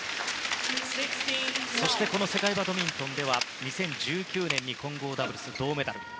そして、世界バドミントンでは２０１９年に混合ダブルス銅メダル。